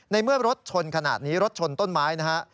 เมื่อรถชนขนาดนี้รถชนต้นไม้นะฮะ